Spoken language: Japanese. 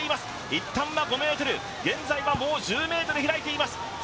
いったんは５ｍ、現在はもう１０ｍ離れています。